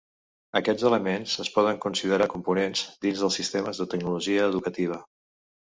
Aquests elements es poden considerar components dins de sistemes de tecnologia educativa.